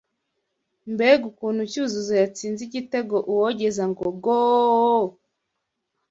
Mbega ukuntu cyuzuzo yatsinze igitego uwogeza ngo gooooooooo